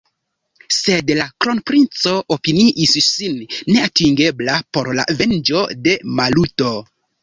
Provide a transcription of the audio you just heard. Sed la kronprinco opiniis sin neatingebla por la venĝo de Maluto.